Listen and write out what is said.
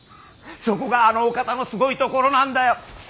そこがあのお方のすごいところなんだよ。